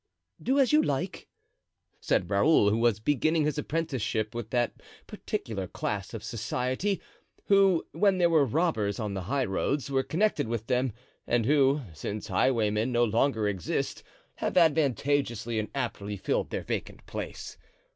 "Do as you like," said Raoul, who was beginning his apprenticeship with that particular class of society, who, when there were robbers on the highroads, were connected with them, and who, since highwaymen no longer exist, have advantageously and aptly filled their vacant place.